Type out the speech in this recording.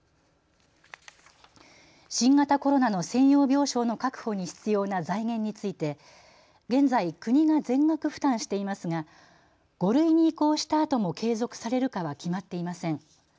新型コロナの専用病床の確保に必要な財源について現在、国が全額負担していますが５類に移行したあとも継続されるかは決まっていません。